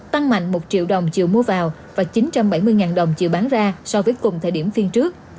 tăng mạnh một triệu đồng chiều mua vào và chín trăm bảy mươi đồng chiều bán ra so với cùng thời điểm phiên trước